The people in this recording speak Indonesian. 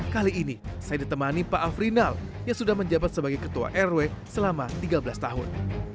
kali ini saya ditemani pak afrinal yang sudah menjabat sebagai ketua rw selama tiga belas tahun